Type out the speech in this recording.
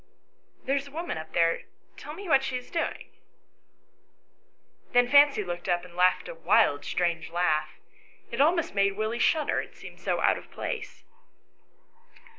" There is a woman up there ; tell me what she is doing ?" Then Fancy looked up and laughed a wild strange laugh ; it almost made Willie shudder, it seemed so out of place.